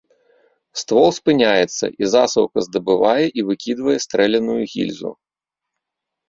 Ствол спыняецца, і засаўка здабывае і выкідвае стрэляную гільзу.